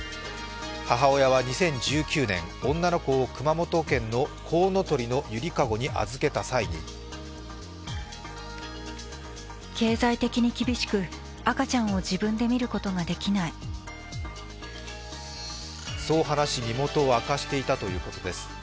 母親は２０１９年、女の子を熊本県のこうのとりのゆりかごに預けた際にそう話し身元を明かしていたということです。